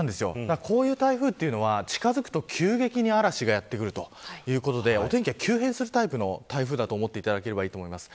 こういう台風は近づくと急激に嵐がやって来るということでお天気が急変するタイプの台風だと思っていただければいいと思います。